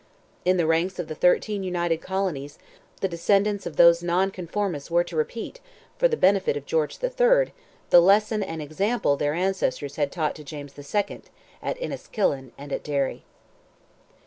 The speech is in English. In the ranks of the thirteen United Colonies, the descendants of those Nonconformists were to repeat, for the benefit of George III., the lesson and example their ancestors had taught to James II. at Enniskillen and at Derry.